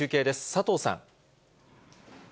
佐藤さん。